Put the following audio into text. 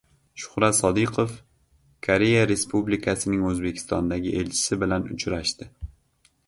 Shuhrat Sodiqov Koreya Respublikasining O‘zbekistondagi elchisi bilan uchrashdi